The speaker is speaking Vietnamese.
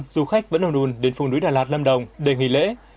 du khách vẫn đồng đùn đến phùng núi đà lạt lâm đồng để nghỉ lễ